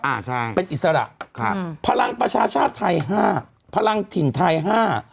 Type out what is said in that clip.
อ่าใช่เป็นอิสระครับพลังประชาชาติไทยห้าพลังถิ่นไทยห้า